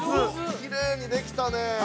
◆きれいにできたね。